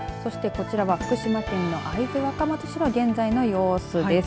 こちら福島県の会津若松市の現在の様子です。